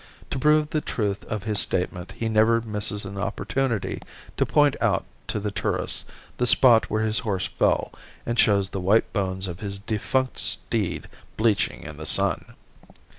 To prove the truth of his statement he never misses an opportunity to point out to the tourist the spot where his horse fell, and shows the white bones of his defunct steed bleaching in the sun.